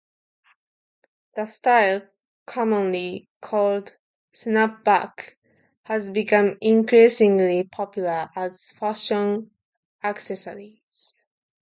The style, commonly called snapback, has become increasingly popular as fashion accessories.